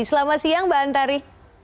selamat siang mbak antari